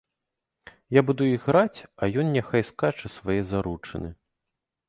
Я буду іграць, а ён няхай скача свае заручыны.